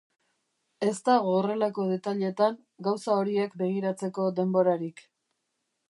Ez dago horrelako detailetan, gauza horiek begiratzeko denhbborarik.